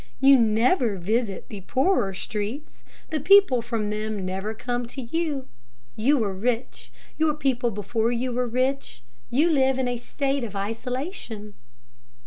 You never visit the poorer streets. The people from them never come to you. You are rich, your people before you were rich, you live in a state of isolation."